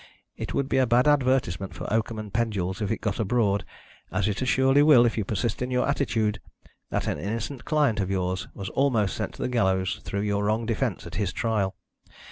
It would be a bad advertisement for Oakham and Pendules if it got abroad as it assuredly will if you persist in your attitude that an innocent client of yours was almost sent to the gallows through your wrong defence at his trial.